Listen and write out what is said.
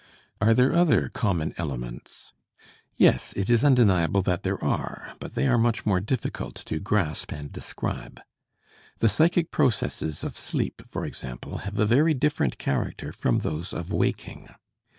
Are there other common elements? Yes, it is undeniable that there are, but they are much more difficult to grasp and describe. The psychic processes of sleep, for example, have a very different character from those of waking.